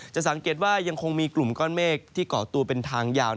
จะสังเกตว่ายังคงมีกลุ่มก้อนเมฆที่เกาะตัวเป็นทางยาว